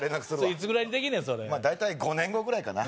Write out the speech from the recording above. いつぐらいにできんねん大体５年後ぐらいかな